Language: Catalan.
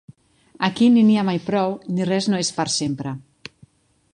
Aquí ni n'hi ha mai prou ni res no és per sempre.